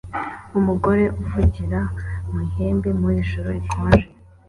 Umugore avugira mu ihembe mu ijoro rikonje